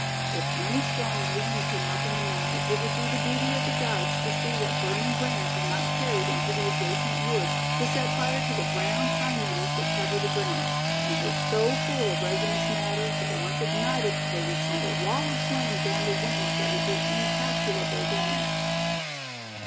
If any strong wind came up in the night it would be the duty of the guides to see that burning brands were not carried into the adjacent woods, to set fire to the brown pine needles that covered the ground; and were so full of resinous matter that once ignited they would send a wall of flame down the wind that would do incalculable damage.